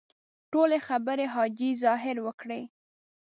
ټولې خبرې حاجي ظاهر وکړې.